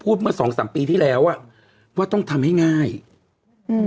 เมื่อสองสามปีที่แล้วอ่ะว่าต้องทำให้ง่ายอืม